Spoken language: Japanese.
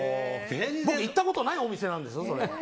行ったことないお店なんですよ。